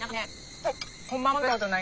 はい。